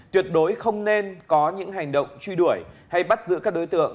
tuyệt đối không nên có những hành động truy đuổi hay bắt giữ các đối tượng